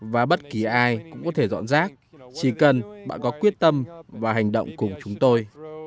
và bất kỳ ai cũng có thể dọn rác chỉ cần bạn có quyết tâm và hành động cùng chúng tôi